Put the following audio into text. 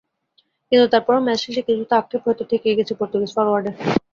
কিন্তু তারপরও ম্যাচ শেষে কিছুটা আক্ষেপ হয়তো থেকেই গেছে পর্তুগিজ ফরোয়ার্ডের।